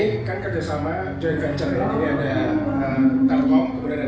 hal ini sejalan dengan semangat dan arahan menteri bumn ii kartika wirjoatmojo pembangunan hyperscale data center batam